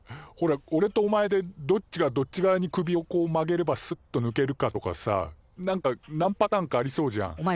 ほらおれとお前でどっちがどっち側に首をこう曲げればスッとぬけるかとかさなんかなんパターンかありそうじゃん。